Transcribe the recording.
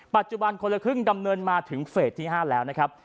คนละครึ่งดำเนินมาถึงเฟสที่๕แล้วนะครับ